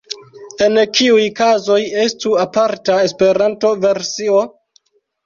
En kiuj kazoj estu aparta Esperanto-versio?